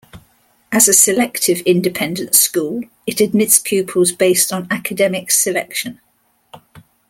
As a selective independent school it admits pupils based on academic selection.